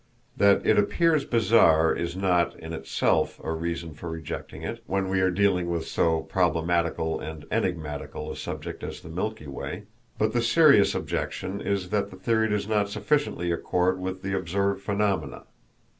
That it appears bizarre is not, in itself, a reason for rejecting it, when we are dealing with so problematical and enigmatical a subject as the Milky Way; but the serious objection is that the theory does not sufficiently accord with the observed phenomena.